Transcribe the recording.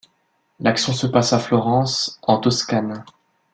L’action se passe à Florence, en Toscane.